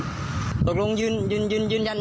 พี่ได้เลยพี่จอดบนถนนนะ